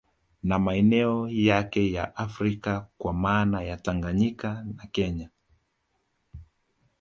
Na maeneo yake ya Afrika kwa maana ya Tanganyika na Kenya